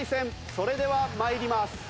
それでは参ります。